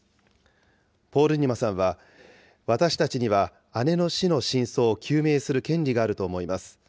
ポールニマさんは、私たちには姉の死の真相を究明する権利があると思います。